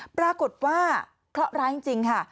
ปรากฏว่าเคราะห์ร้ายจริงค่ะ